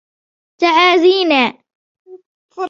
تعازينا.